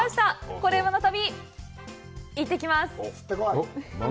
「コレうまの旅」、行ってきます。